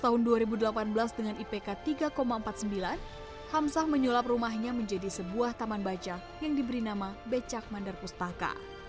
tahun dua ribu delapan belas dengan ipk tiga empat puluh sembilan hamsah menyulap rumahnya menjadi sebuah taman baca yang diberi nama becak mandar pustaka